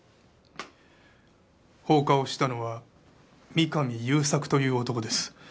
放火をしたのは三上勇作という男です。